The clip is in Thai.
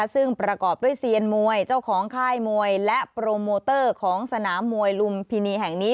ซึ่งประกอบด้วยเซียนมวยเจ้าของค่ายมวยและโปรโมเตอร์ของสนามมวยลุมพินีแห่งนี้